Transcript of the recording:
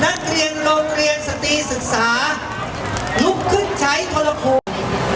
นักเรียนโรงเรียนสตรีศึกษาลุกขึ้นใช้ทรโคม